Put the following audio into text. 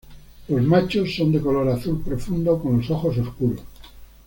Los machos son de color azul profundo con los ojos oscuros.